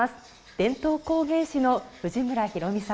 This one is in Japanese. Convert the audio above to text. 伝統工芸士の藤村浩美さんです。